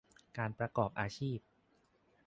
การประกอบอาชีพ